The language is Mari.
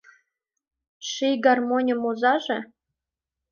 Ший гармоньым озаже?